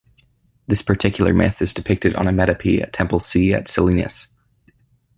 This particular myth is depicted on a metope at Temple C at Selinus.